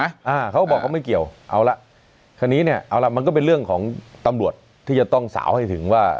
อ่าเขาก็บอกว่าไม่เกี่ยวเอาละคราวนี้เนี่ยเอาล่ะมันก็เป็นเรื่องของตำรวจที่จะต้องสาวให้ถึงว่า